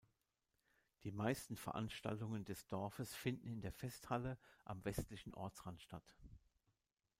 Die meisten Veranstaltungen des Dorfes finden in der Festhalle am westlichen Ortsrand statt.